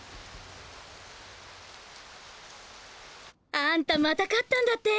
あんたまた勝ったんだって？